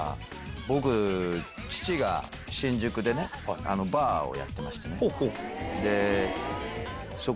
僕父が新宿でバーをやってましてね。